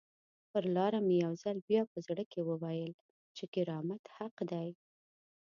پر لاره مې یو ځل بیا په زړه کې وویل چې کرامت حق دی.